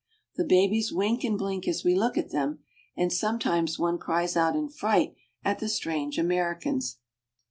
The babies wink and blink as we look at them, and sometimes one cries out in fright at the strange Americans.